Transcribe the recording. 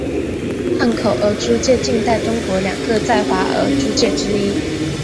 汉口俄租界近代中国两个在华俄租界之一。